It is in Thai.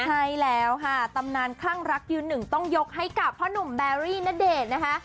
ใช่แล้วค่ะตำนานคลั่งรักยืนหนึ่งต้องยกให้กับพ่อหนุ่มแบรี่ณเดชน์นะคะ